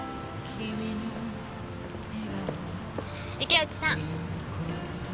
池内さん！